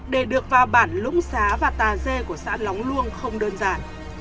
để được vào bản lũng xá và tà dê của xã lóng luông không đơn giản